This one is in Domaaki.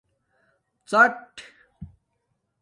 ڎَٹ